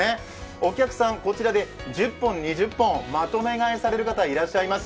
お客さん、こちらで１０本、２０本まとめ買いされる方がいらっしゃいます。